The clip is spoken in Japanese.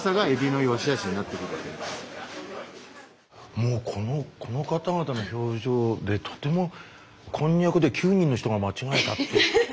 もうこの方々の表情でとてもコンニャクで９人の人が間違えたって。